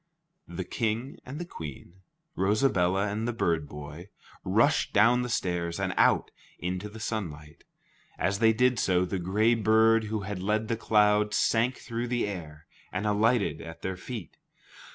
The King and the Queen, Rosabella and the bird boy, rushed down the stairs and out into the sunlight. As they did so, the gray bird who had led the cloud, sank through the air and alighted at their feet.